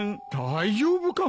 大丈夫か？